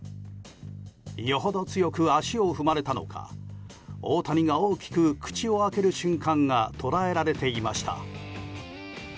よほど強く足を踏まれたのか大谷が大きく口を開ける瞬間が捉えられていました。